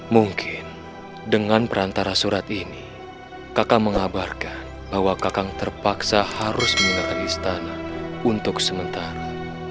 mungkin dengan perantara surat ini kakak mengabarkan bahwa kakak terpaksa harus menggunakan istana untuk sementara